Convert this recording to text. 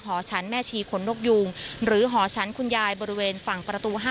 หอชั้นแม่ชีขนนกยูงหรือหอชั้นคุณยายบริเวณฝั่งประตู๕